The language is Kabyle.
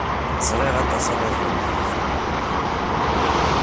Ẓriɣ aṭas ara d-lemdeɣ.